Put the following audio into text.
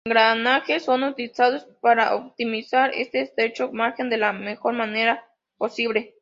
Engranajes son utilizados para optimizar este estrecho margen de la mejor manera posible.